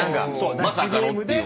まさかのっていう。